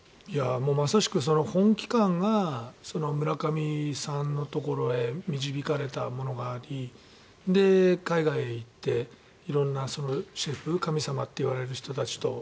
まさしく、その本気感が村上さんのところへ導かれたものがありで、海外へ行って色んなシェフ神様といわれる人たちと。